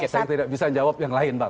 saya tidak bisa jawab yang lain bang